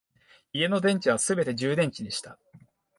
家の電池はすべて充電池にした